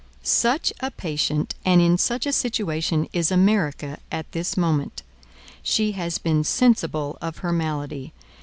Such a patient and in such a situation is America at this moment. She has been sensible of her malady.